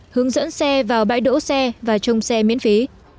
hướng dẫn xe vào bãi đỗ xe và trông xe miễn phí